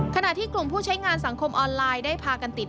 ขณะที่กลุ่มผู้ใช้งานสังคมออนไลน์ได้พากันติด